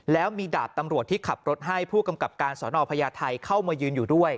แล้วมีดาบตำรวจที่ขับรถให้ผู้กำกับการสอนอพญาไทยเข้ามายืนอยู่ด้วย